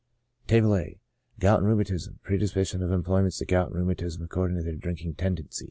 Table A. — Gout and Rheumatism — Predisposition of Em ployments to Gout and Rheumatism,, according to their drink ing tendency.